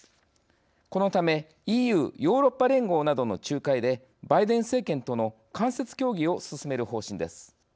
このためＥＵ＝ヨーロッパ連合などの仲介で、バイデン政権との間接協議を進める方針です。